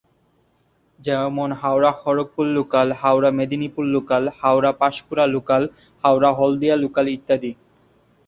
যেমন- হাওড়া-খড়গপুর local, Howrah-Medinipur local, Howrah-Panskura local, Howrah-Haldia local ইত্যাদি।